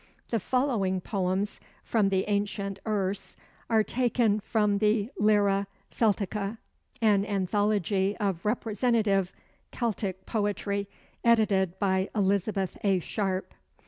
The following poems from the ancient Erse are taken from the 'Lyra Celtica: an Anthology of Representative Celtic Poetry,' edited by Elizabeth A. Sharp.